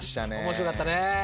面白かったね。